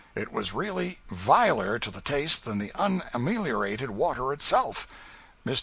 It was really viler to the taste than the unameliorated water itself. Mr.